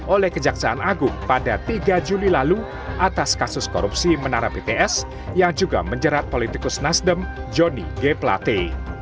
oleh kejaksaan agung pada tiga juli lalu atas kasus korupsi menara bts yang juga menjerat politikus nasdem joni g plate